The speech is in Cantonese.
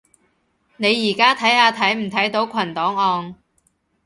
你而家睇下睇唔睇到群檔案